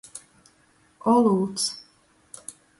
Olūts.